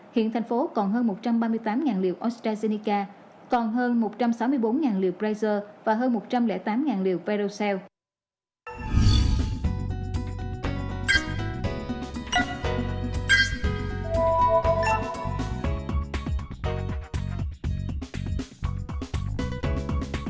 hiện thành phố còn hơn một trăm ba mươi tám liều astrazeneca còn hơn một trăm sáu mươi bốn liều pfizer và hơn một trăm linh tám liều verocell